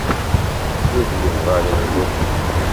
Wid yebɣan lmut-iw.